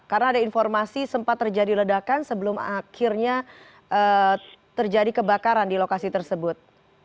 karena ada informasi sempat terjadi ledakan sebelum akhirnya terjadi kebakaran di lokasi tersebut